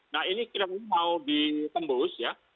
nah ini kita mau ditembus ya